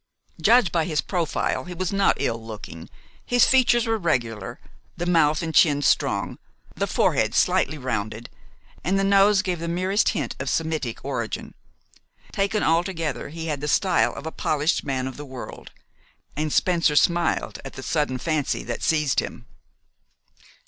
Judged by his profile, he was not ill looking. His features were regular, the mouth and chin strong, the forehead slightly rounded, and the nose gave the merest hint of Semitic origin. Taken altogether, he had the style of a polished man of the world, and Spencer smiled at the sudden fancy that seized him.